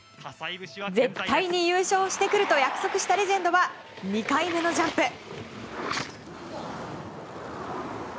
絶対に優勝してくると約束したレジェンドは２回目のジャンプ。